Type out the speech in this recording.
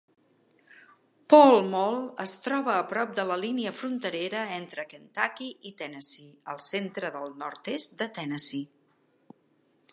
Pall Mall es troba a prop de la línia fronterera entre Kentucky i Tennessee al centre del nord-est de Tennessee.